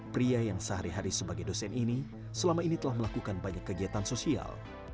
pria yang sehari hari sebagai dosen ini selama ini telah melakukan banyak kegiatan sosial